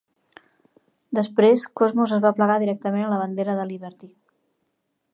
Després Cosmos es va plegar directament a la bandera de Liberty.